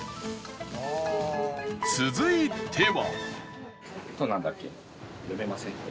続いては